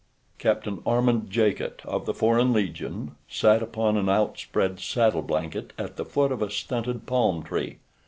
V. Captain Armand Jacot of the Foreign Legion sat upon an outspread saddle blanket at the foot of a stunted palm tree.